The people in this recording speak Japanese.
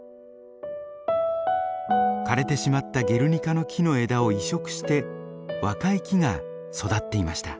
枯れてしまったゲルニカの樹の枝を移植して若い木が育っていました。